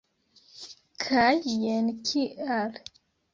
Kaj jen kial!